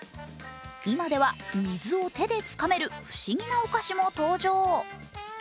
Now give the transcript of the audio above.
今では水を手でつかめる不思議なお菓子も登場。